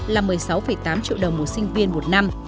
là một mươi sáu tám triệu đồng một sinh viên một năm